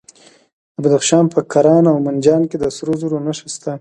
د بدخشان په کران او منجان کې د سرو زرو نښې شته.